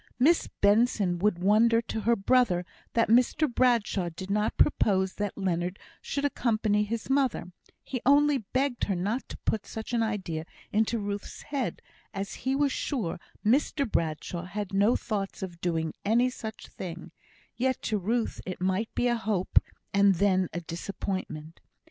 Miss Benson would wonder to her brother that Mr Bradshaw did not propose that Leonard should accompany his mother; he only begged her not to put such an idea into Ruth's head, as he was sure Mr Bradshaw had no thoughts of doing any such thing, yet to Ruth it might be a hope, and then a disappointment.